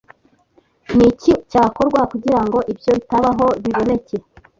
Ni iki cyakorwa kugira ngo ibyo bitabaho biboneke